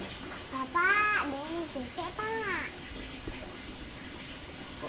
bapak ini bisa pak